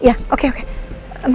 sekarang lo masuk ke dalam ya